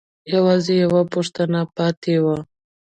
يوازې يوه پوښتنه پاتې وه.